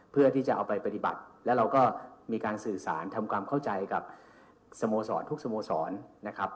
เพื่อที่จะเอาไปปฏิบัติแล้วเราก็มีการสื่อสารทำความเข้าใจกับสโมสรทุกสโมสรนะครับ